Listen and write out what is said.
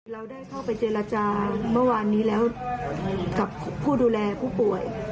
เราได้เข้าไปเจรจาเมื่อวานนี้แล้วกับผู้ดูแลผู้ป่วย